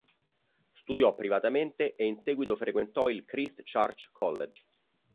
Studiò privatamente e in seguito frequentò il Christ Church College.